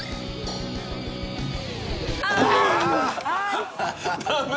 ああ！